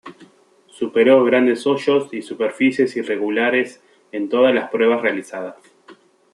Superó grandes hoyos y superficies irregulares en todas las pruebas realizadas.